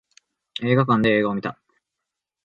映画館で映画を見た